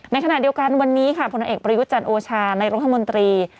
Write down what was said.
ในขณะเดียวกันวันนี้ค่ะผลเอกประยุทธ์จันทร์โอชานายรัฐมนตรี